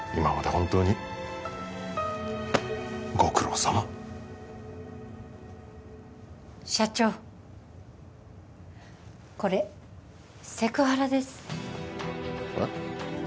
本当にご苦労さま社長これセクハラですえっ！？